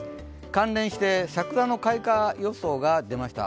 関連して桜の開花予想が出ました。